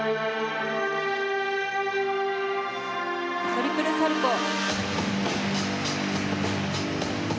トリプルサルコウ。